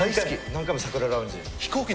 何回もサクララウンジ。